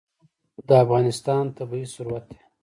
رسوب د افغانستان طبعي ثروت دی.